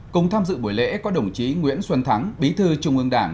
cùng tham dự buổi lễ có đồng chí nguyễn xuân thắng bí thư trung ương đảng